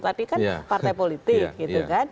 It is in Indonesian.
tadi kan partai politik